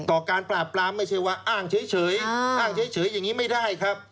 ต่อการปราบปรามไม่ใช่ว่าอ้างเฉยอย่างนี้ไม่ได้ครับ